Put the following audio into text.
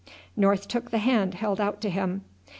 North took the hand held out to him.